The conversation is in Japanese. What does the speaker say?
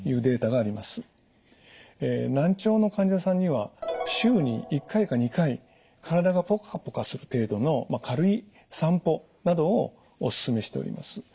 難聴の患者さんには週に１回か２回体がポカポカする程度の軽い散歩などをおすすめしております。